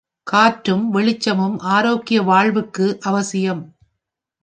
காற்றும் வெளிச்சமும் ஆரோக்கிய வாழ்வுக்கு அவசியம்.